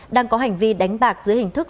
đang có hành vi đánh bạc dưới hình thức